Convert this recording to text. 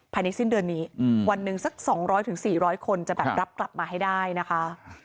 ภายในสิ้นเดือนนี้วันหนึ่งสัก๒๐๐๔๐๐คนจะแบบรับกลับมาให้ได้นะคะ